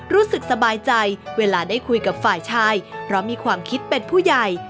รู้สึกสบายใจเวลาได้คุยกับฝ่ายชายเพราะมีความคิดเป็นผู้ใหญ่